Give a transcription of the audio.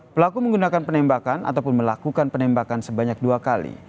pelaku menggunakan penembakan ataupun melakukan penembakan sebanyak dua kali